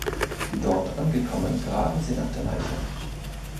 Dort angekommen graben sie nach der Leiche.